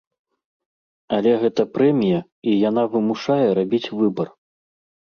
Але гэта прэмія, і яна вымушае рабіць выбар.